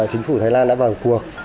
chính phủ thái lan đã vào cuộc